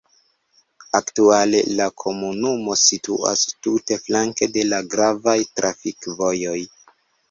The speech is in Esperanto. Aktuale la komunumo situas tute flanke de la gravaj trafikvojoj.